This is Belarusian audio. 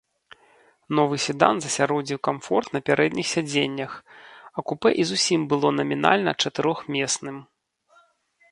Новы седан засяродзіў камфорт на пярэдніх сядзеннях, а купэ і зусім было намінальна чатырохмесным.